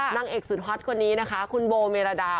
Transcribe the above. นางเอกสุดฮอตคนนี้นะคะคุณโบเมรดา